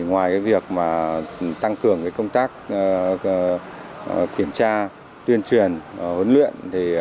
ngoài việc tăng cường công tác kiểm tra tuyên truyền huấn luyện